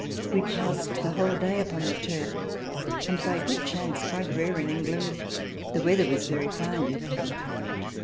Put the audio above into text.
We passed the whole day upon the turf and by a good chance, quite rare in England, the weather was very fine.